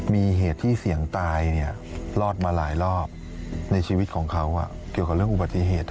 มีเหตุที่เสี่ยงตายรอดมาหลายรอบในชีวิตของเขาเกี่ยวกับเรื่องอุบัติเหตุ